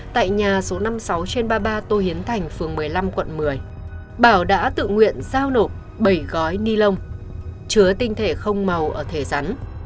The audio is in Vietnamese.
tại nhà số năm mươi sáu trên ba mươi ba tô hiến thành phường một mươi năm quận một mươi bảo đã tự nguyện giao nộp bảy gói ni lông chứa tinh thể không màu ở thể rắn